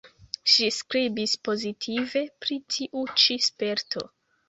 Ŝi skribis pozitive pri tiu ĉi sperto.